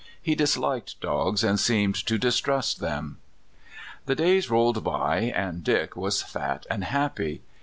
He disliked dogs, and seemed to distrust them. The days rolled by, and Dick was fat and happy.